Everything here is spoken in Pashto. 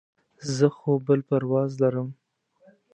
زه خو بل پرواز لرم.